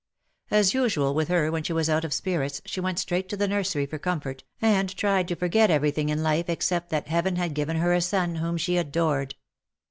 As usual with her when she was out of spirits, she went straight to the nursery for comfort, and tried to forget everything in life except that Heaven had given her a son whom she adored.